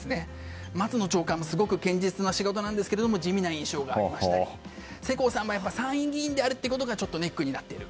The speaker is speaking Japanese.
松野長官もすごく堅実で仕事家なんですけど地味な印象がありましたり世耕さんも参院議員であることがちょっとネックになっている。